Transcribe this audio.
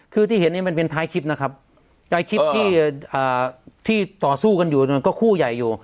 คือที่เห็นนี่มันเป็นท้ายคลิปนะครับท้ายคลิปที่ต่อสู้กันอยู่มันก็คู่ใหญ่อยู่